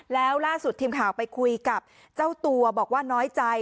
แล้วล่าสุดทีมข่าวไปคุยกับเจ้าตัวบอกว่าน้อยใจ